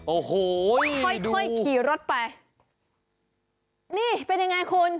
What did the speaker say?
โอ้โหค่อยค่อยขี่รถไปนี่เป็นยังไงคุณ